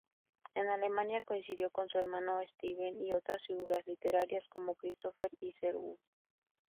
En Alemania coincidió con su hermano Stephen y otras figuras literarias, como Christopher Isherwood.